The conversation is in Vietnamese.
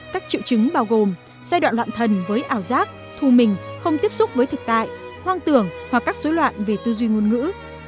các triệu chứng bao gồm giai đoạn loạn thần với ảo giác thu mình không tiếp xúc với thực tại hoang tưởng hoặc các dối loạn về tư duy ngôn ngữ